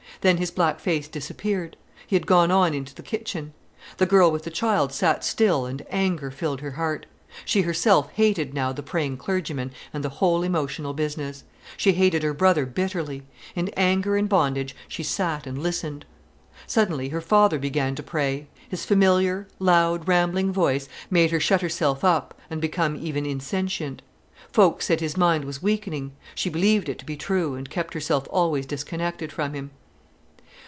Then his black face disappeared. He had gone on into the kitchen. The girl with the child sat still and anger filled her heart. She herself hated now the praying clergyman and the whole emotional business; she hated her brother bitterly. In anger and bondage she sat and listened. Suddenly her father began to pray. His familiar, loud, rambling voice made her shut herself up and become even insentient. Folks said his mind was weakening. She believed it to be true, and kept herself always disconnected from him.